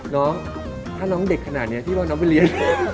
น้องถ้าน้องเด็กขนาดนี้พี่ว่าน้องไปเรียน